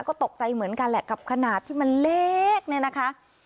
ก็ตกใจเหมือนกันแหละกับขนาดที่มันเล็กเนี่ยนะคะ